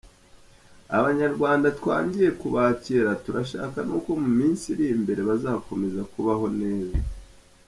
Abanyarwanda twangiye kubakira, turashaka n’uko mu minsi iri imbere bazakomeza kubaho neza.